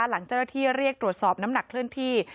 หลังเจ้าหน้าที่เรียกตรวจสอบน้ำหนักเคลื่อนที่